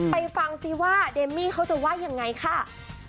ไปฟังซิว่าเดมมี่เขาจะว่ายังไงค่ะ